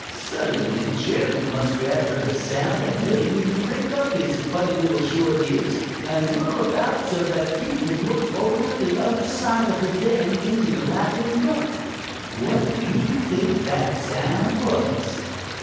Suddenly Jerry Muskrat heard a sound that made him prick up his funny little short ears and whirl about so that he could look over the other side of the dam into the Laughing Brook. What do you think that sound was?